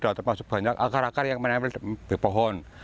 datang masuk banyak akar akar yang menempel di pohon